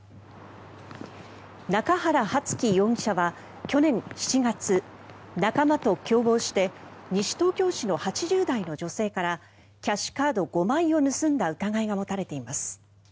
中原承輝容疑者は去年７月仲間と共謀して西東京市の８０代の女性からキャッシュカード５枚を盗んだ疑いが持たれています。